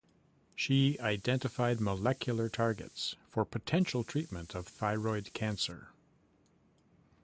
She identified molecular targets for potential treatment of thyroid cancer.